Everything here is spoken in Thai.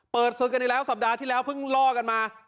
ศึกกันอีกแล้วสัปดาห์ที่แล้วเพิ่งล่อกันมา